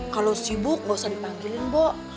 kalau sibuk gak usah dipanggilin bu